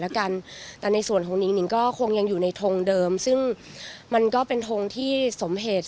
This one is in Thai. แล้วกันแต่ในส่วนของนิงก็คงยังอยู่ในทงเดิมซึ่งมันก็เป็นทงที่สมเหตุ